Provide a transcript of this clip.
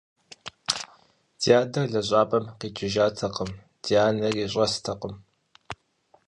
Ди адэр лэжьапӀэм къикӀыжатэкъым, ди анэри щӀэстэкъым.